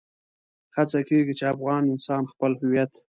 هڅه کېږي چې افغان انسان خپل هويت.